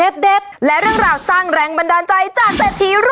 พบกับพระราชทางหน้าจอธรรมดิการ